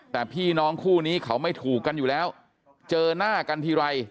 แต่พี่น้องคู่นี้เขาไม่ถูกกันอยู่แล้วเจอหน้ากันทีไร